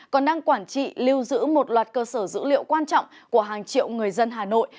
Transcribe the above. còn đang quản trị lưu giữ một loạt cơ sở dữ liệu quan trọng của hàng triệu người dân hà nội